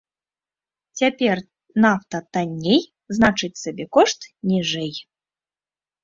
Цяпер нафта танней, значыць сабекошт ніжэй.